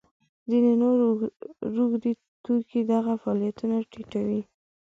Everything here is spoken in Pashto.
ځینې نور روږدي توکي دغه فعالیتونه ټیټوي.